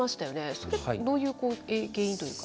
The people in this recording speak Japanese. それはどういう原因というか。